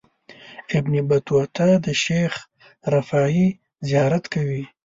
ابن بطوطه د شیخ رفاعي زیارت کوي.